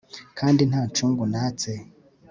kandi nta ncungu natse